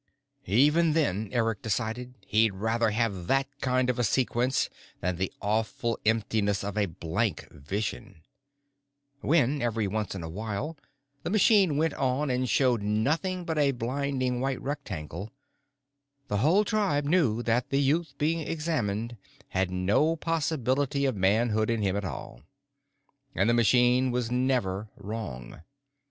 Even then, Eric decided, he'd rather have that kind of a sequence than the awful emptiness of a blank vision. When, every once in a while, the machine went on and showed nothing but a blinding white rectangle, the whole tribe knew that the youth being examined had no possibility of manhood in him at all. And the machine was never wrong.